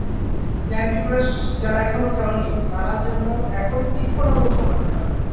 ক্রান্ডি crush যারা এখনো খেলোনি, তারা যেন এখনই ক্লিক করে বসো না।